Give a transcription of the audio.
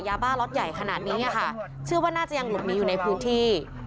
ยาบ้าล็อตใหญ่ขนาดนี้ค่ะเชื่อว่าน่าจะยังหลบหนีอยู่ในพื้นที่